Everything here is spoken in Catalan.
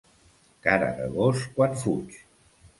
Cara de gos quan fuig.